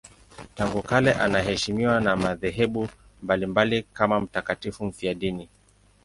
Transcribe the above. Tangu kale anaheshimiwa na madhehebu mbalimbali kama mtakatifu mfiadini.